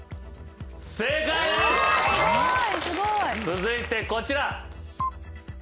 続いてこちら。